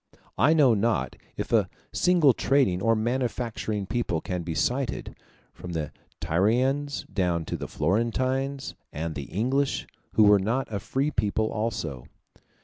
I know not if a single trading or manufacturing people can be cited, from the Tyrians down to the Florentines and the English, who were not a free people also.